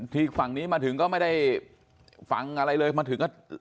ที่ฝั่งนี้มาถึงก็ไม่ได้ฟังอะไรเลยมาถึงก็